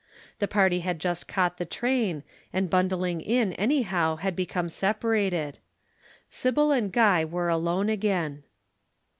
The party had just caught the train, and bundling in anyhow had become separated. Sybil and Guy were alone again.